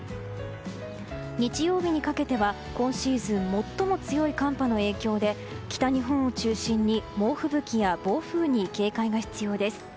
日曜日にかけては今シーズン最も強い寒波の影響で北日本を中心に猛吹雪や暴風に警戒が必要です。